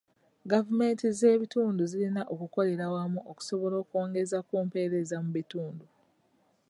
Gavumenti z'ebitundu zirina okukolera awamu okusobola okwengeza ku mpeereza mu bitundu.